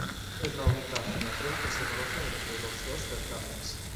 Esa es la única relación que se conoce entre los dos certámenes.